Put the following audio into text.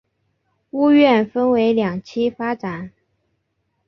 屋苑分为两期发展。